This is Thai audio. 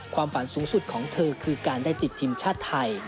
ความฝันสูงสุดของเธอคือการได้ติดทีมชาติไทย